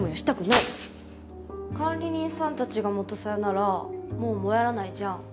管理人さんたちが元サヤならもうモヤらないじゃん？